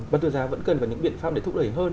bán tuyên giáo vẫn cần những biện pháp để thúc đẩy hơn